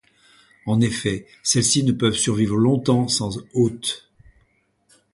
En effet, celles-ci ne peuvent survivre longtemps sans hôte.